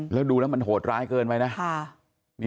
แล้วดูแล้วมันโหดร้ายเกินไปนะ